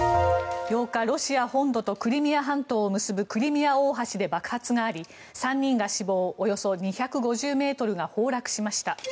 ８日、ロシア本土とクリミア半島を結ぶクリミア大橋で爆発があり３人が死亡およそ２５０ｍが崩落しました。